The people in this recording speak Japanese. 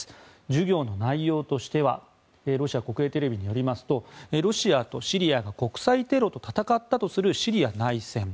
授業の内容としてはロシア国営テレビによりますとロシアとシリアが国際テロと戦ったとするシリア内戦。